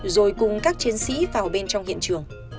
rồi cùng các chiến sĩ vào bên trong hiện trường